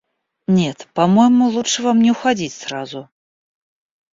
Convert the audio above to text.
Нет, по-моему лучше вам не уходить сразу.